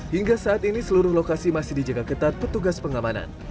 hingga saat ini seluruh lokasi masih dijaga ketat petugas pengamanan